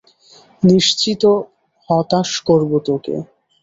নিশ্চিত হতাশ করব তোকে।